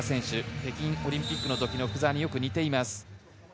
北京オリンピックの時の福澤によく似ています。